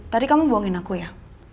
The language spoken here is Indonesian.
tadi kamu buangin aku ya